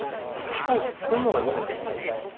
飛行機作んのが夢なんやろ？